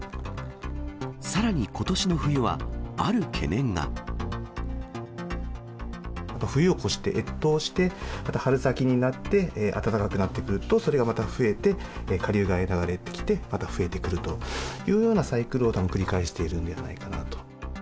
さらにことしの冬は、ある懸冬を越して、越冬をして、また春先になって暖かくなってくると、それがまた増えて、下流側に流れてきて、また増えてくるというようなサイクルを、たぶん繰り返しているんじゃないかなと。